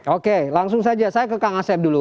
oke langsung saja saya ke kang asep dulu